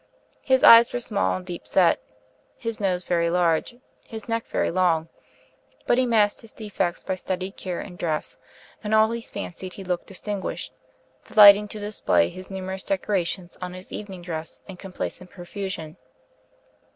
His eyes were small and deep set, his nose very large, his neck very long; but he masked his defects by studied care in dress, and always fancied he looked distinguished, delighting to display his numerous decorations on his evening dress in complacent profusion.